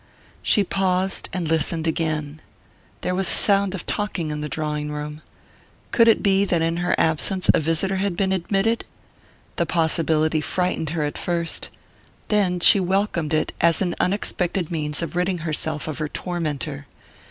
She paused, and listened again. There was a sound of talking in the drawing room. Could it be that in her absence a visitor had been admitted? The possibility frightened her at first then she welcomed it as an unexpected means of ridding herself of her tormentor.